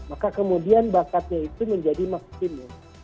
maka kemudian bakatnya itu menjadi maksimum